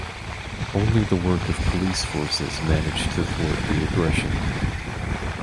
Only the work of police forces managed to thwart the aggression.